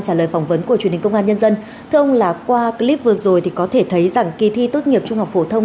thưa ông qua clip vừa rồi có thể thấy kỳ thi tốt nghiệp trung học phổ thông